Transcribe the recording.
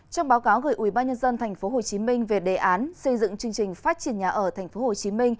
trong báo cáo gửi ubnd tp hcm về đề án xây dựng chương trình phát triển nhà ở tp hcm